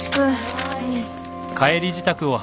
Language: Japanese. はい。